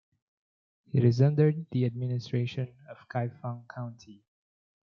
It is under the administration of Kaifeng County.